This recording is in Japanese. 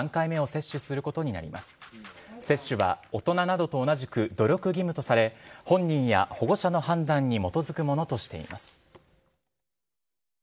接種は大人などと同じく努力義務とされ、本人や保護者の判断に基づくものとしています。